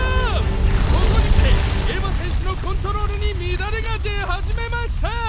ここにきてエヴァ選手のコントロールに乱れが出始めました！